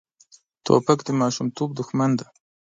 توپک د ماشومتوب دښمن دی.